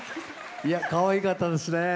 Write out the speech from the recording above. かわいかったですね。